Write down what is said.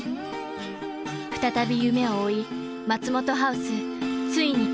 ［再び夢を追い松本ハウスついに立つ］